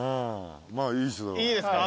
まあいいですよ。